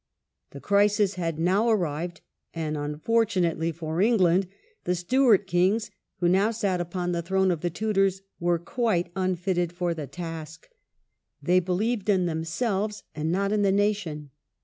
The crisis had now arrived, and unfortunately for Eng land the Stewart kings, who now sat upon the throne of The Stewarts ^^e Tudors, were quite unfitted for the task, fail to meet it. They believed in themselves and not in the nation.